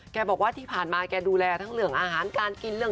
บอกว่าที่ผ่านมาแกดูแลทั้งเรื่องอาหารการกินเรื่อง